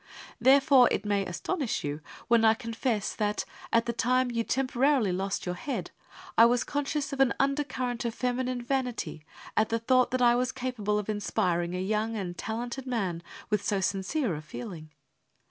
Therefore it may astonish you when I confess that, at the time you temporarily lost your head, I was conscious of an undercurrent of feminine vanity at the thought that I was capable of inspiring a young and talented man with so sincere a feeling.